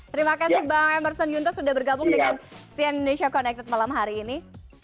terima kasih bang emerson yunto sudah bergabung dengan cn indonesia connected malam hari ini